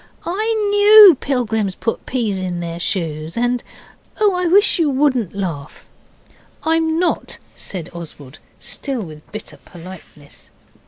'I KNEW pilgrims put peas in their shoes and oh, I wish you wouldn't laugh!' 'I'm not,' said Oswald, still with bitter politeness.